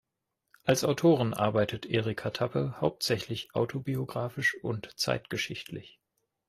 Als Autorin arbeitet Erika Tappe hauptsächlich autobiographisch und zeitgeschichtlich.